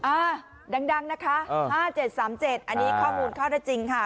อ่าดังดังนะคะเออห้าเจ็ดสามเจ็ดอันนี้ข้อมูลเขาได้จริงค่ะ